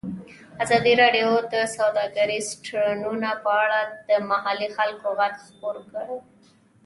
ازادي راډیو د سوداګریز تړونونه په اړه د محلي خلکو غږ خپور کړی.